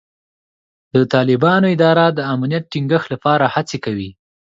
د طالبانو اداره د امنیت ټینګښت لپاره هڅې کوي.